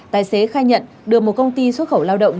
tài xế khai nhận được một công ty xuất khẩu lao động